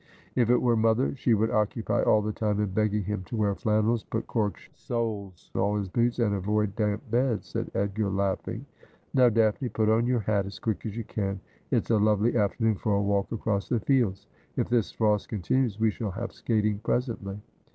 ' If it were mother, she would occupy all the time in begging him to wear flannels, put cork soles in all his boots, and avoid damp beds,' said Edgar laughing. ' Now, Daphne, put on your hat as quick as you can. ' It's a lovely afternoon for a walk across the fields. If this frost continues we shall have skating presently.'